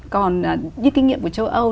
còn như kinh nghiệm của châu âu